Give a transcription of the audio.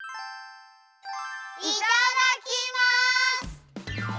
いただきます！